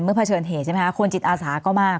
เผชิญเหตุใช่ไหมคะคนจิตอาสาก็มาก